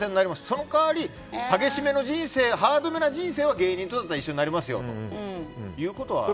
その代わり、激しめの人生ハードめな人生は芸人とだったらなりますよと。